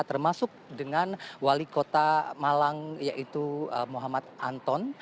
termasuk dengan wali kota malang yaitu muhammad anton